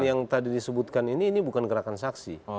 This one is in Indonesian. yang tadi disebutkan ini ini bukan gerakan saksi